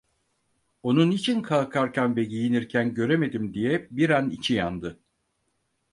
"Onu niçin kalkarken ve giyinirken göremedim?" diye bir an içi yandı.